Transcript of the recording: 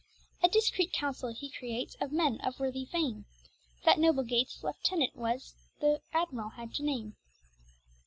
A discreet counsell he creates of men of worthy fame, That noble Gates leiftenant was the admirall had to name.